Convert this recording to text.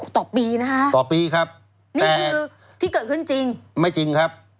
ต่อปีนะคะต่อปีครับนี่คือที่เกิดขึ้นจริงไม่จริงครับ